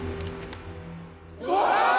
うわ！